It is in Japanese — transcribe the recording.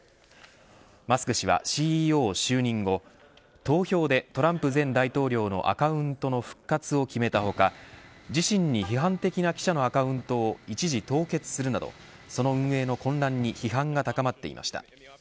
マスク氏はＣＥＯ就任後投票でトランプ前大統領のアカウントの復活を決めた他自身に批判的な記者のアカウントを一時凍結するなどその運営の混乱に批判が高まっていました。